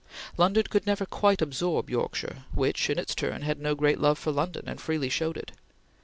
London could never quite absorb Yorkshire, which, in its turn had no great love for London and freely showed it.